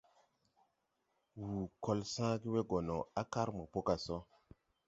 Wù kɔl sããge we gɔ no á kar mopo gà sɔ.